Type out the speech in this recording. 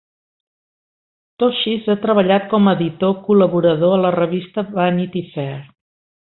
Tosches ha treballat com a editor col·laborador a la revista Vanity Fair.